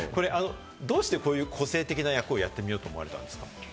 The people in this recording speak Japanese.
どうしてこういう個性的な役をやってみようと思われたんですか？